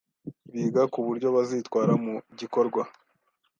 biga ku buryo bazitwara mu gikorwa